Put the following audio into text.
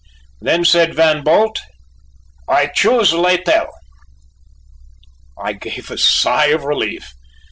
Then said Van Bult: "I choose Littell." I gave a sigh of relief.